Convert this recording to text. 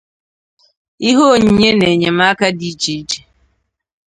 ihe onyinye na enyemaka dị iche iche.